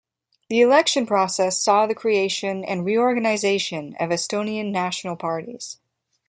The election process saw the creation and reorganization of Estonian national parties.